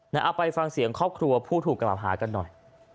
เอาไปฟังเสียงครอบครัวผู้ถูกกล่าวหากันหน่อย